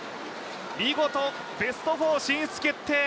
見事、ベスト４進出決定